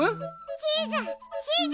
チーズチーズ！